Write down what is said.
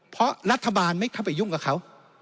เพราะรัฐบาลไม่เข้าไปยุ่งกับเขา